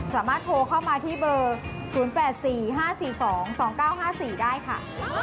สามารถโทรเข้ามาที่เบอร์๐๘๔๕๔๒๒๙๕๔ได้ค่ะ